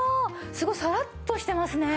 すごいサラッとしてますね。